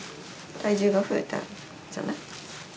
体重が増えたんじゃない？